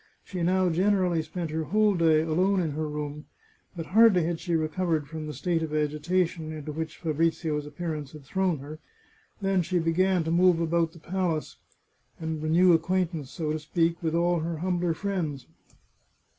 She now generally spent her whole day alone in her room, but hardly had she recovered from the state of agitation into which Fabrizio's appearance had thrown her, than she began to move about the palace, and renew acquaintance, so to speak, with all her humbler friends.